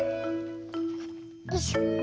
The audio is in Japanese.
よいしょ。